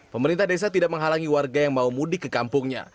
pemerintah desa tidak menghalangi warga yang mau mudik ke kampungnya